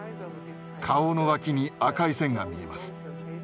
顔の脇に赤い線が見えます。